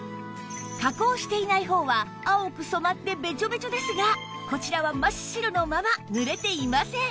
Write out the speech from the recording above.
加工していない方は青く染まってベチョベチョですがこちらは真っ白のままぬれていません